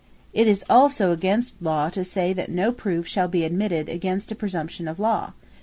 It is also against Law, to say that no Proofe shall be admitted against a Presumption of Law.